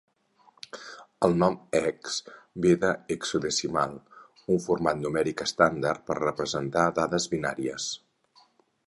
El nom "hex" ve de "hexadecimal": un format numèric estàndard per representar dades binàries.